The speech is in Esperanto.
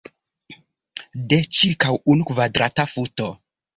De ĉirkaŭ unu kvadrata futo.